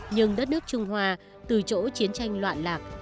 nhưng đất nước trung hoa từ chỗ chiến tranh loạn lạc